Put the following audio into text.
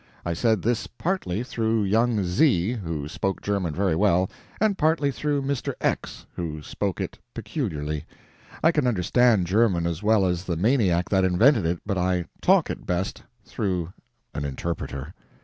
I said this partly through young Z, who spoke German very well, and partly through Mr. X, who spoke it peculiarly. I can UNDERSTAND German as well as the maniac that invented it, but I TALK it best through an interpreter.